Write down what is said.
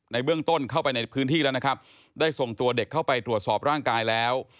เบื้องต้นเข้าไปในพื้นที่แล้วนะครับได้ส่งตัวเด็กเข้าไปตรวจสอบร่างกายแล้ว